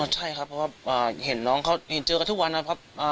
ใช่ครับเพราะว่าเห็นน้องเขาเจอกันทุกวันนะครับ